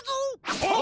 はっ！